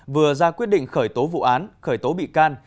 vừa ra quyết định khởi tố vụ án khởi tố bị can